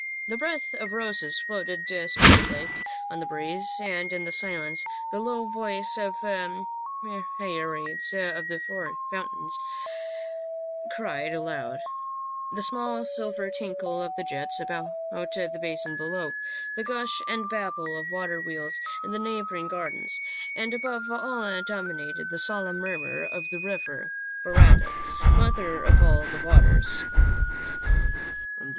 The breath of roses floated spirit like on the breeze, and in the silence the voice of myriads of fountains cried aloud, the small silver tinkle of the jets about the basin below, the gush and babble of water wheels in the neighboring gardens, and above all dominated the solemn murmur of the river, Barada, mother of all the waters. " From the THE VISION ON THE HOUSETOP.